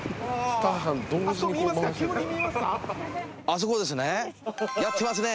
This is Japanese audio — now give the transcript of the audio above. あそこですね。